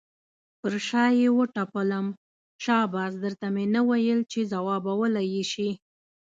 پر شا یې وټپلم، شاباس در ته مې نه ویل چې ځوابولی یې شې.